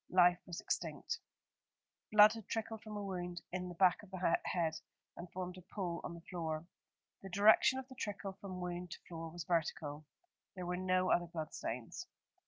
Life was extinct. Blood had trickled from a wound in the back of the head and formed a pool on the floor. The direction of the trickle from wound to floor was vertical. There were no other blood stains.